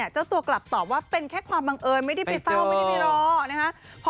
เจ้าตัวกลับตอบว่าเป็นแค่ความบังเอิญไม่ได้ไปเฝ้าไม่ได้ไปรอนะคะ